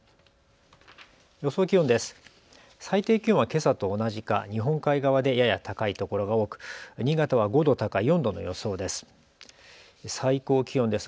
予想気温です。